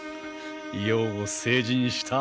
よう成人した。